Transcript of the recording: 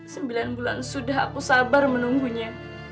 sembilan bulan sudah aku sabar menunggunya